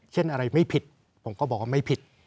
เช่นอะไรไม่ผิดผมก็บอกว่าไม่ผิด